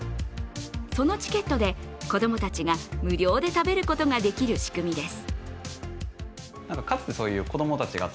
そのチケットで子供たちが無料で食べることができる仕組みです。